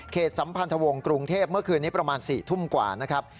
สัมพันธวงศ์กรุงเทพเมื่อคืนนี้ประมาณ๔ทุ่มกว่านะครับ